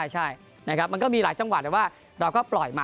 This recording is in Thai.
ใช่นะครับมันก็มีหลายจังหวัดแต่ว่าเราก็ปล่อยมา